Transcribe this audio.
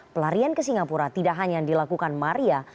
pelarian ke singapura tidak hanya dilakukan maria